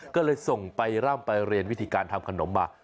ก็เลยส่งไปร่ำไปเรียนวิธีการทำขนมมา